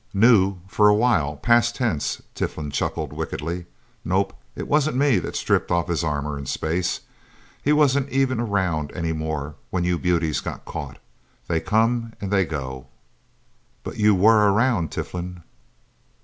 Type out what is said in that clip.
"Knew for a while past tense," Tiflin chuckled wickedly. "Nope it wasn't me that stripped off his armor in space. He wasn't even around, anymore, when you beauties got caught. They come and they go." "But you were around, Tiflin!"